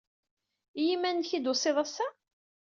I yiman-nnek ay d-tusiḍ ass-a?